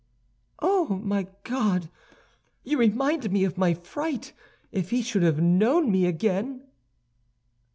"Oh, my God! You remind me of my fright! If he should have known me again!"